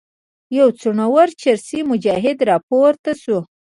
یو څڼور چرسي مجاهد راپورته شو.